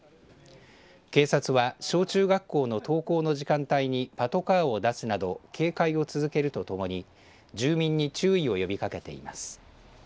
警察は小中学校の登校の時間帯にパトカーを出すなど警戒を続けるとともに住民に注意を呼びかけています。